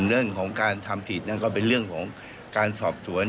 เรื่องของการทำผิดนั่นก็เป็นเรื่องของการสอบสวน